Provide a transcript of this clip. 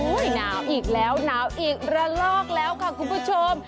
หนาวอีกแล้วหนาวอีกระลอกแล้วค่ะคุณผู้ชม